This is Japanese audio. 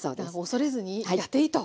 恐れずにやっていいと。